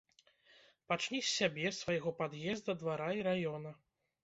Пачні з сябе, свайго пад'езда, двара і раёна.